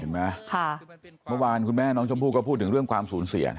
เมื่อวานคุณแม่น้องชมพู่ก็พูดถึงเรื่องความสูญเสีย